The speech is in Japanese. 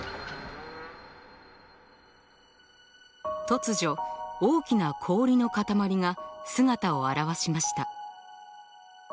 突如大きな氷の塊が姿を現しました。